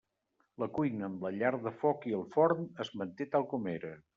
La cuina amb la llar de foc i el forn es manté tal com era.